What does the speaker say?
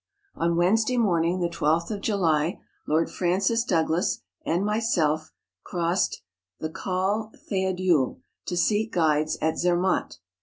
On Wednesday morning, the 12th of July, Lord PVancis Douglas and myself crossed the Col Theo dule, to seek guides at Zermatt.